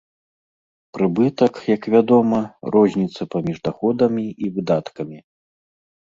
Прыбытак, як вядома, розніца паміж даходамі і выдаткамі.